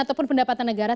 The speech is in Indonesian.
ataupun pendapatan negara